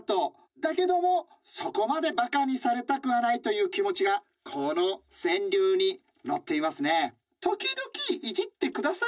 だけどもそこまでバカにされたくはない気持ちがこの川柳に乗っていますね。